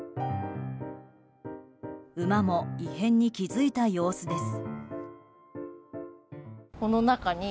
馬も異変に気付いた様子です。